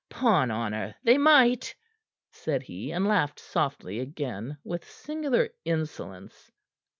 'Pon honor, they might!" said he, and laughed softly again with singular insolence.